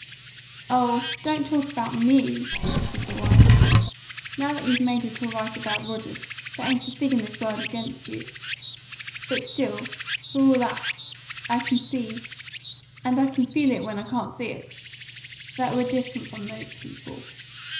"Oh, don't talk about ME!" protested the wife. "Now that you've made it all right about Rogers, there ain't a thing in this world against you. But still, for all that, I can see and I can feel it when I can't see it that we're different from those people.